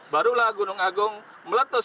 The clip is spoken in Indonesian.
barulah gunung agung meletus